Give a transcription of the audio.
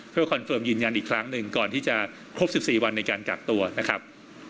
เพื่อคอนเฟิร์มยืนยันอีกครั้งหนึ่งก่อนที่จะครบ๑๔วันในการกักตัวนะครับ